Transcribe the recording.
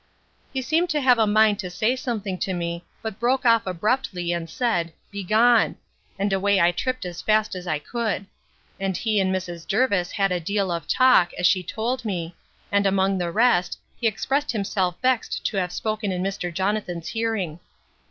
He seemed to have a mind to say something to me; but broke off abruptly, and said, Begone! And away I tripped as fast as I could: and he and Mrs. Jervis had a deal of talk, as she told me; and among the rest, he expressed himself vexed to have spoken in Mr. Jonathan's hearing.